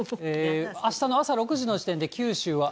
あしたの朝６時の時点で、九州は雨。